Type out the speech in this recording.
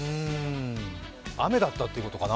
雨だったということかな？